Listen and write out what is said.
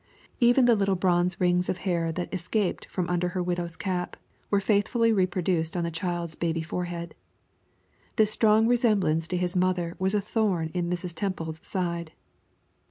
Even the little bronze rings of hair that escaped from under her widow's cap were faithfully reproduced on the child's baby forehead. This strong resemblance to his mother was a thorn in Mrs. Temple's side.